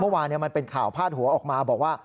เมื่อวานมันเป็นข่าวพาดหัวออกมาบอกว่า